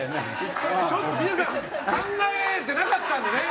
ちょっと皆さん考えてなかったのでね。